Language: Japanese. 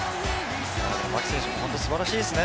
牧選手、本当素晴らしいですね！